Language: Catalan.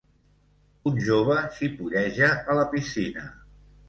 Un jove xipolleja a la piscina.